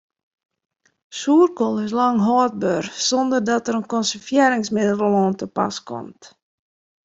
Soerkoal is lang hâldber sonder dat der in konservearringsmiddel oan te pas komt.